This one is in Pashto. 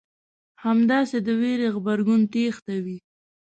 همداسې د وېرې غبرګون تېښته وي.